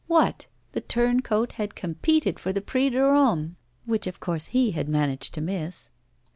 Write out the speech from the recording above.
What! the turn coat had competed for the Prix de Rome, which, of course, he had managed to miss.